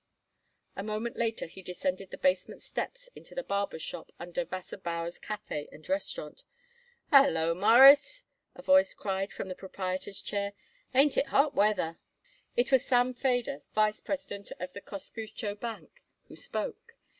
A moment later he descended the basement steps into the barber shop under Wasserbauer's Café and Restaurant. "Hallo, Mawruss," a voice cried from the proprietor's chair. "Ain't it a hot weather?" It was Sam Feder, vice president of the Kosciusko Bank, who spoke.